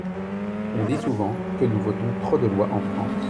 On dit souvent que nous votons trop de lois en France.